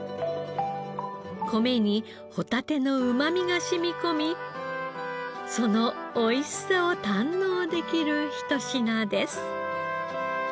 米にホタテのうまみが染み込みそのおいしさを堪能できる一品です。